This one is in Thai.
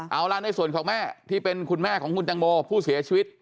เอาล่ะในส่วนของแม่ที่เป็นคุณแม่ของคุณตังโมผู้เสียชีวิต